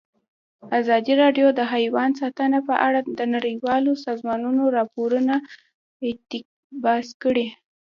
ازادي راډیو د حیوان ساتنه په اړه د نړیوالو سازمانونو راپورونه اقتباس کړي.